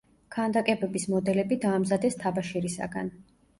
ქანდაკებების მოდელები დაამზადეს თაბაშირისაგან.